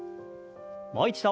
もう一度。